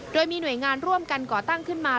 โดยมีหน่วยงานร่วมกันก่อตั้งขึ้นมา